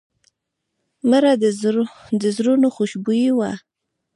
مړه د زړونو خوشبويي وه